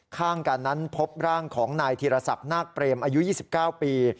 ข้างกันนั้นพบร่างของนายธีรศักดิ์นาคเปรมอายุ๒๙ปี